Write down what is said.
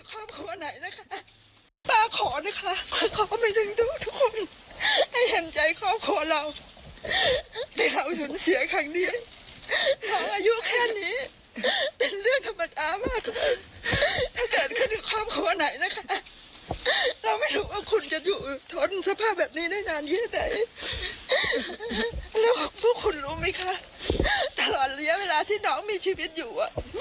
แล้วก็พูดคุณรู้ไหมคะตลอดเหลือเวลาที่น้องมีชีวิตอยู่